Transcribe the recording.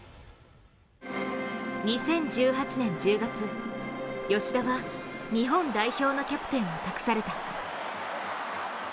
２０１８年１０月、吉田は日本代表のキャプテンを託された。